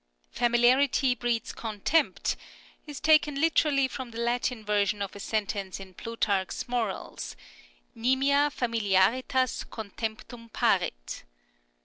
" Familiarity breeds contempt " is taken literally from the Latin version of a sentence in Plutarch's Morals, " Nimia familiaritas contemptum parit."